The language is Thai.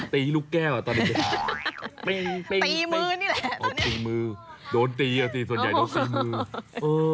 ตีลูกแก้วอะตอนนี้ตีมือนี่แหละโดนตีส่วนใหญ่ต้องตีมือ